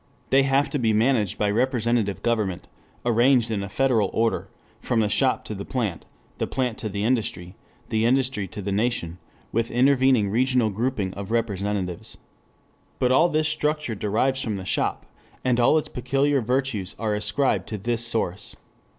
They have to be managed by representative government arranged in a federal order from the shop to the plant, the plant to the industry, the industry to the nation, with intervening regional grouping of representatives. But all this structure derives from the shop, and all its peculiar virtues are ascribed to this source.